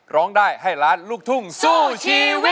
ร้องได้ให้ล้านลูกทุ่งสู้ชีวิต